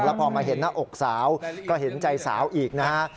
พอมาเห็นหน้าอกสาวก็เห็นใจสาวอีกนะฮะ